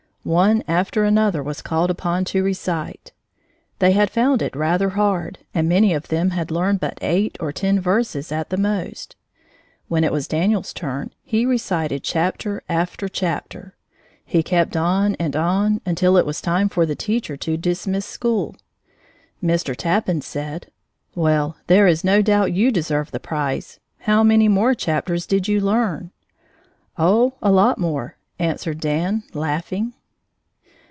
One after another was called upon to recite. They had found it rather hard, and many of them had learned but eight or ten verses at the most. When it was Daniel's turn, he recited chapter after chapter. He kept on and on until it was time for the teacher to dismiss school. Mr. Tappan said: "Well, there is no doubt you deserve the prize. How many more chapters did you learn?" "Oh, a lot more," answered Dan, laughing.